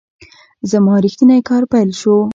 زما ریښتینی کار پیل شو .